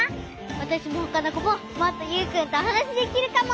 わたしもほかのこももっとユウくんとおはなしできるかも！